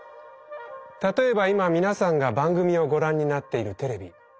例えば今皆さんが番組をご覧になっているテレビ。